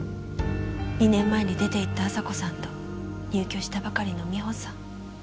２年前に出て行った亜沙子さんと入居したばかりの美帆さん。